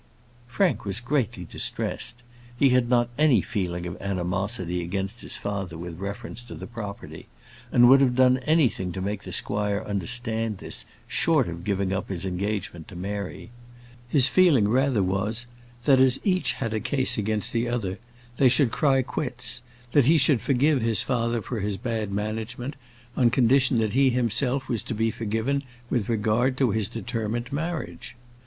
Frank was greatly distressed. He had not any feeling of animosity against his father with reference to the property, and would have done anything to make the squire understand this, short of giving up his engagement to Mary. His feeling rather was, that, as each had a case against the other, they should cry quits; that he should forgive his father for his bad management, on condition that he himself was to be forgiven with regard to his determined marriage.